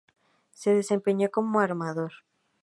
Se desempeñó como armador.